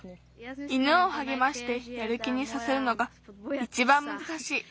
犬をはげましてやる気にさせるのがいちばんむずかしい。